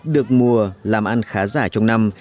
được mùa làm ăn khá giả trong năm